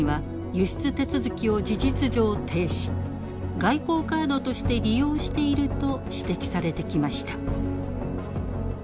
外交カードとして利用していると指摘されてきました。